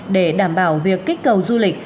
để đảm bảo việc kích cầu du lịch